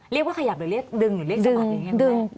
เรียกว่าขยับหรือเรียกดึงหรือเรียกสะบัดอย่างไรคุณแม่